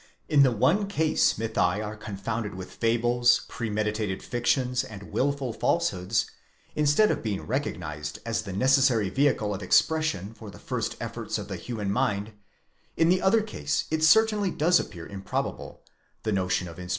In the one case mythi are confounded with fables, pre meditated fictions, and wilful falsehoods, instead of being recognised as the necessary vehicle of expression for the first efforts of the human mind ; in the other case it certainly does appear improbable, (the notion of inspiration: 1 Ad.